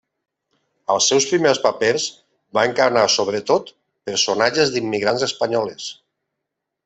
Als seus primers papers va encarnar sobretot personatges d'immigrants espanyoles.